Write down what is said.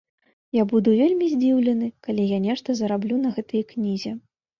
Я буду вельмі здзіўлены, калі я нешта зараблю на гэтай кнізе.